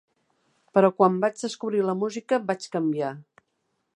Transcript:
Però quan vaig descobrir la música, vaig canviar.